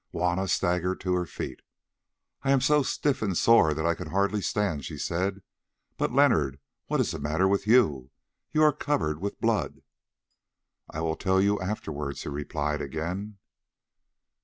Juanna staggered to her feet. "I am so stiff and sore that I can hardly stand," she said, "but, Leonard, what is the matter with you? You are covered with blood." "I will tell you afterwards," he replied again.